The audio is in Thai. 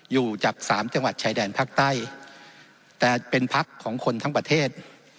อยู่จากสามจังหวัดชายแดนภาคใต้แต่เป็นพักของคนทั้งประเทศ